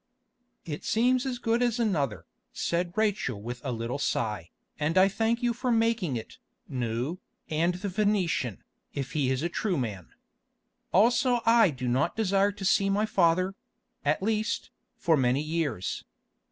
"It seems good as another," said Rachel with a little sigh, "and I thank you for making it, Nou, and the Phœnician, if he is a true man. Also I do not desire to meet my father—at least, for many years.